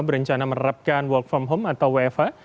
berencana menerapkan walk from home atau wefa